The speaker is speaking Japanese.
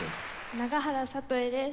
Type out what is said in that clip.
永原聖恵です。